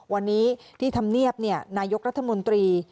วันนี้ที่ธรรมเนียบนายกรัฐมนตรี